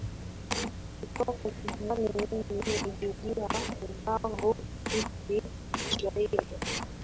kutoka kigali mimi ni julian rubavu rfi kiswahili